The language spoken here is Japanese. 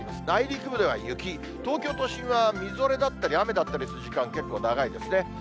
内陸部では雪、東京都心はみぞれだったり、雨だったりする時間、結構長いですね。